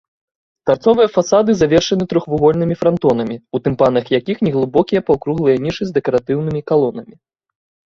Тарцовыя фасады завершаны трохвугольнымі франтонамі, у тымпанах якіх неглыбокія паўкруглыя нішы з дэкаратыўнымі калонамі.